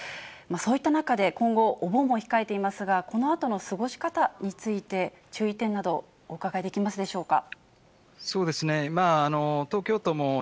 そういった中で、今後、お盆も控えていますが、このあとの過ごし方について、注意点などお伺いできますでしょうか。